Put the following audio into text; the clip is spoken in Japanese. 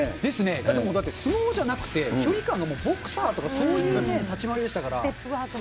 だってもう、相撲じゃなくて、距離感がもうボクサーとか、そういう立ち回りでしたかステップワークも。